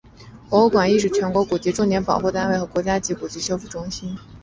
博物馆亦是全国古籍重点保护单位和国家级古籍修复中心。